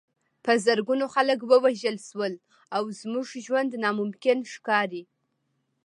په زرګونو خلک ووژل شول او زموږ ژوند ناممکن ښکاري